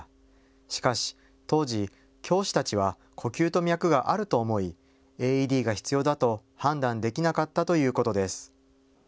しかし、当時、教師たちは呼吸と脈があると思いＡＥＤが必要だと判断できなかったということです。